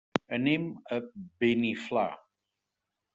Anem a Beniflà.